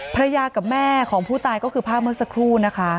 ภรรยากับแม่ของผู้ตายก็คือภาพเมื่อสักครู่นะคะ